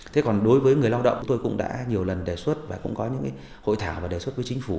thế còn đối với người lao động tôi cũng đã nhiều lần đề xuất và cũng có những hội thảo và đề xuất với chính phủ